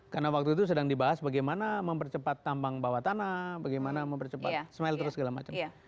karena waktu itu sedang dibahas bagaimana mempercepat tambang bawah tanah bagaimana mempercepat smelter segala macam